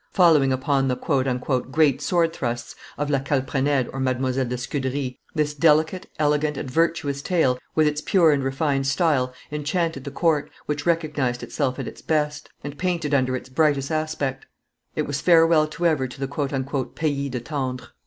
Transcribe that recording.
Following upon the "great sword thrusts" of La Calprenede or Mdlle. de Scudery, this delicate, elegant, and virtuous tale, with its pure and refined style, enchanted the court, which recognized itself at its best, and painted under its brightest aspect; it was farewell forever to the "Pays de Tendre."